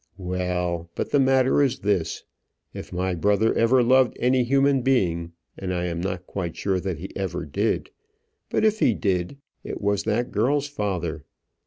"Well, but the matter is this: if my brother ever loved any human being and I am not quite sure he ever did but if he did, it was that girl's father.